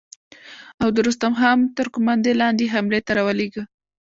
او د رستم خان تر قوماندې لاندې يې حملې ته را ولېږه.